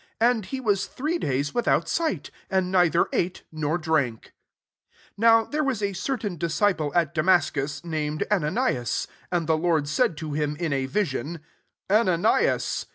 9 And he was three days without sight ; and neither ate nor drank. j 10 Now there was a certail disciple at Damascus, name! Ananias ; and the Lord said d him, in a vision, " Ananias.